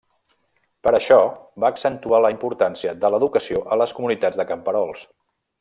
Per això, va accentuar la importància de l'educació a les comunitats de camperols.